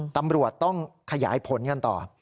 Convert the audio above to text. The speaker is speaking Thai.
ตำรวจต้องขยายผลกันต่อ